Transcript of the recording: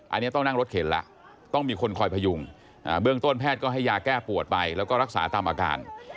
อันนี้ต้องนั่งรถเข็นแล้วต้องมีคนคอยพยุงเบื้องต้นแพทย์ก็ให้ยาแก้ปวดไปแล้วก็รักษาตามอาการ